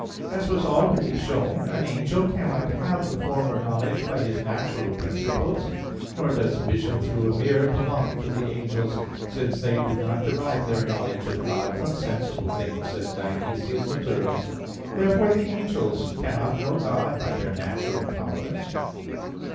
As was already shown (Q. 12, A. 4), an angel cannot have the former knowledge by his natural principles. Nor does vision through a mirror belong to the angels, since they do not derive their knowledge of God from sensible things, as Dionysius observes (Div. Nom. vii). Therefore the angels cannot know God by their natural powers.